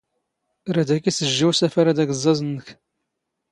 ⵔⴰⴷ ⴰⴽ ⵉⵙⵊⵊⵉ ⵓⵙⴰⴼⴰⵔ ⴰⴷ ⴰⴳⵥⵥⴰⵥ ⵏⵏⴽ.